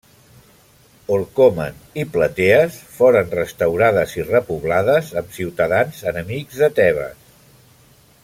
Orcomen i Platees foren restaurades i repoblades amb ciutadans enemics de Tebes.